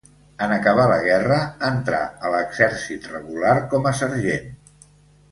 En acabar la guerra entrà a l'exèrcit regular com a sergent.